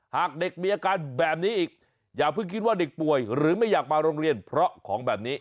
หากเด็กมีอาการแบบนี้อีกอย่าเพิ่งคิดว่าเด็กป่วยหรือไม่อยากมาโรงเรียนเพราะของแบบนี้